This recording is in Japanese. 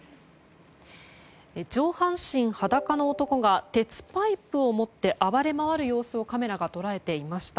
上半身裸の男が鉄パイプを持って暴れ回る様子をカメラが捉えていました。